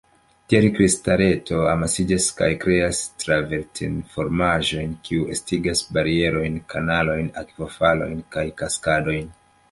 Tiel kristaletoj amasiĝas kaj kreas travertin-formaĵojn, kiuj estigas barierojn, kanalojn, akvofalojn kaj kaskadojn.